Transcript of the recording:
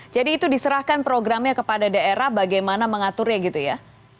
jadi itu diserahkan programnya kepada daerah bagaimana mengaturnya gitu ya